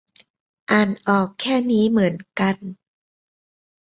อ่านออกแค่นี้เหมือนกัน